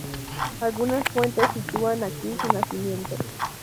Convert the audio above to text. Algunas fuentes sitúan aquí su nacimiento.